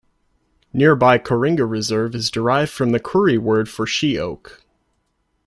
Nearby Kooringa Reserve is derived from the Koori word for sheoak.